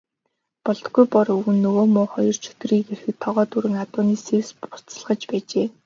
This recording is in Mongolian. Болдоггүй Бор өвгөн нөгөө муу хоёр чөтгөрийг ирэхэд тогоо дүүрэн адууны сэвс буцалгаж байжээ.